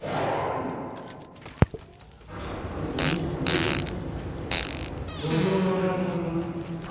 ごみ、すごいですね。